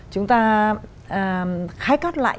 chúng ta khái cắt lại